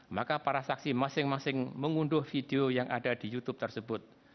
maka para saksi masing masing mengunduh video yang ada di youtube tersebut